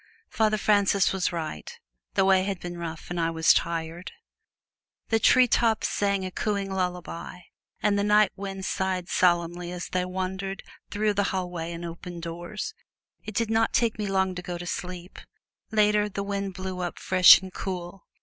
Father Francis was right: the way had been rough and I was tired. The treetops sang a cooing lullaby and the nightwinds sighed solemnly as they wandered through the hallway and open doors. It did not take me long to go to sleep. Later, the wind blew up fresh and cool.